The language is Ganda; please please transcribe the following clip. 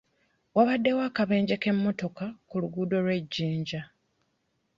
Waabaddewo akabenje k'emmotoka ku luguudo lw'e Jinja.